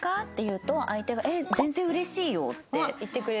って言うと相手が「全然嬉しいよ」って。